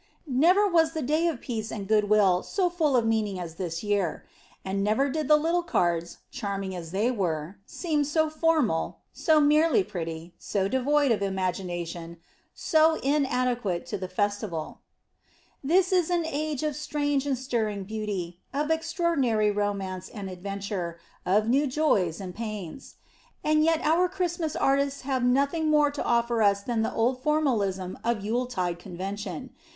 Never was the Day of Peace and Good Will so full of meaning as this year; and never did the little cards, charming as they were, seem so formal, so merely pretty, so devoid of imagination, so inadequate to the festival. This is an age of strange and stirring beauty, of extraordinary romance and adventure, of new joys and pains. And yet our Christmas artists have nothing more to offer us than the old formalism of Yuletide convention.